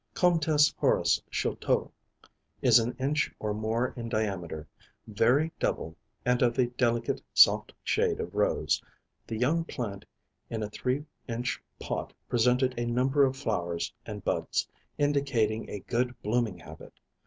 "Comtesse Horace Choeteau, is an inch or more in diameter, very double, and of a delicate, soft shade of rose; the young plant in a three inch pot presented a number of flowers and buds, indicating a good blooming habit.